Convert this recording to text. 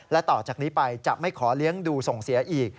และต่อจากนี้ไปจะไม่ขอเลี้ยงดูส่งเสียอีก